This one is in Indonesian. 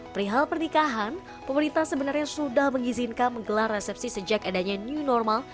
perihal pernikahan pemerintah sebenarnya sudah mengizinkan menggelar resepsi sejak adanya new normal